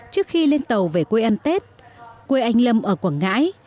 trước khi lên tàu về quê ăn tết quê anh lâm ở quảng ngãi